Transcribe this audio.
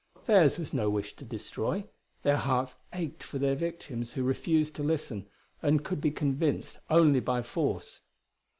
Theirs was no wish to destroy; their hearts ached for their victims who refused to listen and could be convinced only by force.